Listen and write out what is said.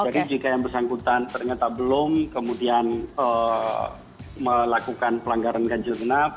jadi jika yang bersangkutan ternyata belum kemudian melakukan pelanggaran ganjil genap